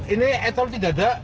ini etol tidak ada